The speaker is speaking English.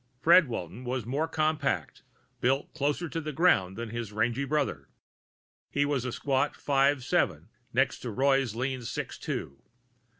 Fred Walton was more compact, built closer to the ground than his rangy brother; he was a squat five seven, next to Roy's lean six two.